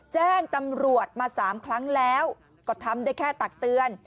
แจ้งตำรวจมา๓ครั้งแล้วก็ทำได้แค่ตักเตือน